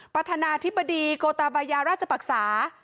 ประธานาธิบดีโกตาบายาราชปรักษา